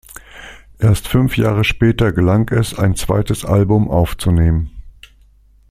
Erst fünf Jahre später gelang es, ein zweites Album aufzunehmen.